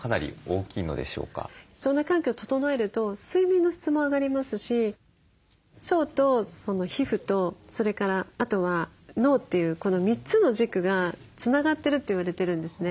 腸内環境を整えると睡眠の質も上がりますし腸と皮膚とそれからあとは脳というこの３つの軸がつながってるって言われてるんですね。